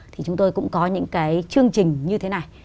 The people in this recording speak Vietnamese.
thì chúng tôi cũng có những cái chương trình như thế này